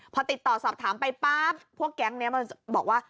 พอติดต่อสอบถามไปปั๊บพวกแก๊งนี้มันบอกว่า